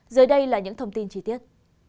dưới đây là những thông tin trí tiết